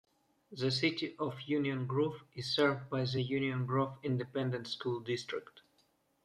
The City of Union Grove is served by the Union Grove Independent School District.